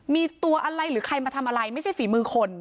มีตัวอะไรหรือใครมาทำอะไรไม่ใช่ฝีมือคน